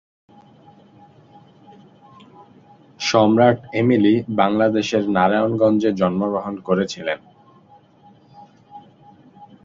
সম্রাট হোসেন এমিলি বাংলাদেশের নারায়ণগঞ্জে জন্মগ্রহণ করেছিলেন।